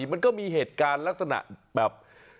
มันก็มีเหตุการณ์ลักษณะแบบ